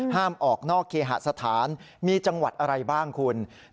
ห้ามออกนอกเคหสถานมีจังหวัดอะไรบ้างคุณ